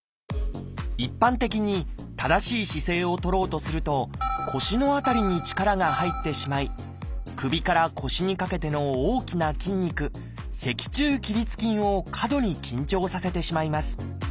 一般的に正しい姿勢をとろうとすると腰の辺りに力が入ってしまい首から腰にかけての大きな筋肉脊柱起立筋を過度に緊張させてしまいます。